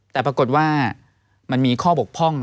แต่ปรากฏว่ามันมีข้อบกพร่อง